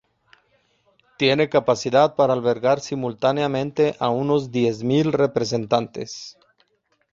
Tiene capacidad para albergar simultáneamente a unos diez mil representantes.